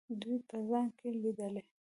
دوی په ځان کې لیدل.